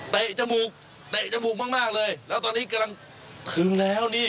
จมูกเตะจมูกมากเลยแล้วตอนนี้กำลังถึงแล้วนี่